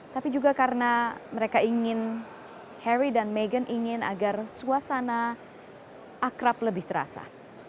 tapi juga karena mereka ingin harry dan meghan ingin agar suasana akrab lebih terasa